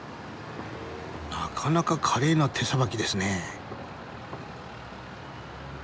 なかなか華麗な手さばきですね。